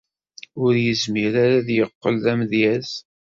Ur yezmir ara ad yeqqel d amedyaz.